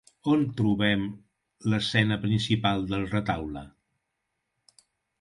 On trobem l'escena principal del retaule?